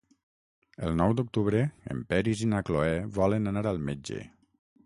El nou d'octubre en Peris i na Cloè volen anar al metge.